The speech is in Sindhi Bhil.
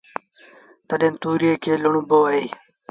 تڏهيݩ تُوريئي کي لُوڻبو اهي